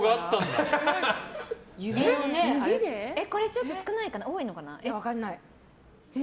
これちょっと少ないかな多いのかな。